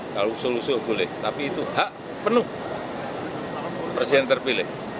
kalau solusi boleh tapi itu hak penuh presiden terpilih